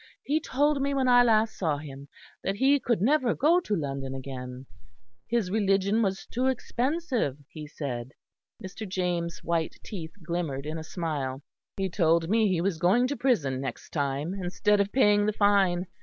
"He told me when I last saw him that he could never go to London again; his religion was too expensive, he said." Mr. James' white teeth glimmered in a smile. "He told me he was going to prison next time, instead of paying the fine.